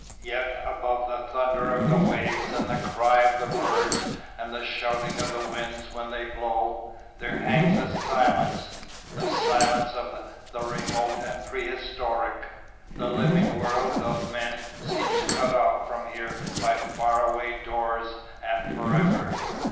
Yet above the thunder of the waves and the cries of the birds and the shouting of the winds when they blow, there hangs a silence the silence of the remote and prehistoric. The living world of men seems cut off from here by far away doors and forever.